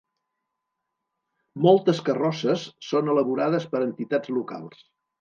Moltes carrosses són elaborades per entitats locals.